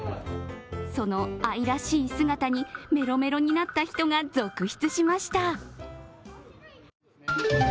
その愛らしい姿にメロメロになった人が続出しました。